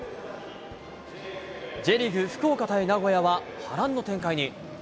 Ｊリーグ、福岡対名古屋は、波乱の展開に。